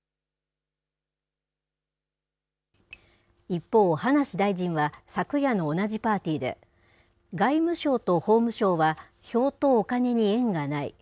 一方、葉梨大臣は昨夜の同じパーティーで、外務省と法務省は、票とお金に縁がない。